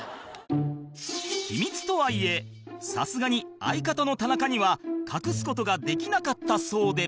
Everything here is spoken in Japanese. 秘密とはいえさすがに相方の田中には隠す事ができなかったそうで